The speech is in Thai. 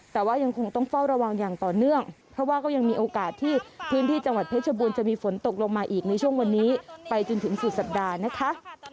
แต่ว่ายังคงต้องเฝ้าระวังอย่างต่อเนื่องเพราะว่าก็ยังมีโอกาสที่พื้นที่จังหวัดเพชรบูรณ์จะมีฝนตกลงมาอีกในช่วงวันนี้ไปจนถึงสุดสัปดาห์นะคะ